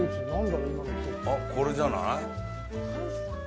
あっ、これじゃない？